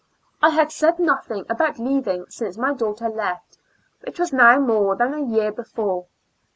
I had said nothing about leaving since my daughter left, which was now more than a year before.